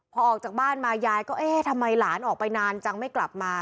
พอออกจากบ้านมายายก็เอ๊ะทำไมหลานออกไปนานจังไม่กลับมา